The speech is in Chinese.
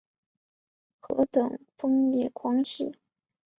何等疯野狂喜？